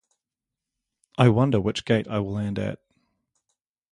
I wonder which gate I will land at.